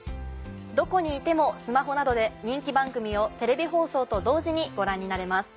どこにいてもスマホなどで人気番組をテレビ放送と同時にご覧になれます。